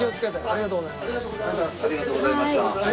ありがとうございます。